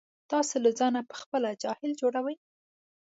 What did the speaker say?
تاسې له ځانه په خپله جاهل جوړوئ.